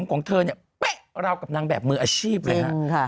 ลูกของเธอเนี่ยเรากับนางแบบมืออาชีพเลยค่ะ